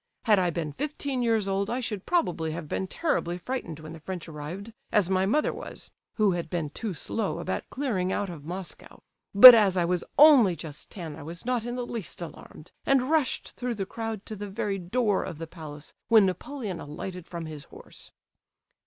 Had I been fifteen years old I should probably have been terribly frightened when the French arrived, as my mother was (who had been too slow about clearing out of Moscow); but as I was only just ten I was not in the least alarmed, and rushed through the crowd to the very door of the palace when Napoleon alighted from his horse."